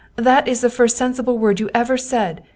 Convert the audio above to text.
" That is the first sensible word you ever said.